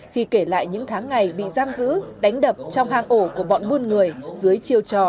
khi kể lại những tháng ngày bị giam giữ đánh đập trong hang ổ của bọn muôn người dưới chiều trò việc nhẹ lương cao